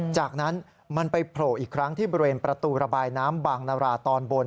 จากนั้นมันไปโผล่อีกครั้งที่บริเวณประตูระบายน้ำบางนาราตอนบน